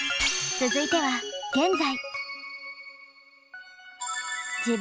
続いては現在。